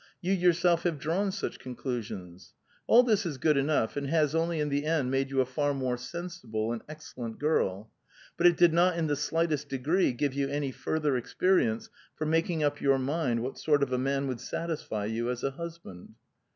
You yourself have drawn such conclusions. All this is good enough, and it has only in the end made you a far more sensible and ex cellent girl ; but it did not in the slightest des^ree give you any further experience for making up yonr mind what sort of a man would satisfy you as a liusband."